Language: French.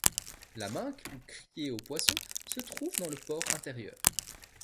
La minque ou criée aux poissons se trouve dans le port intérieur.